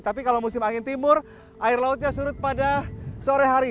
tapi kalau musim angin timur air lautnya surut pada sore hari